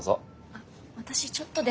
あっ私ちょっとで。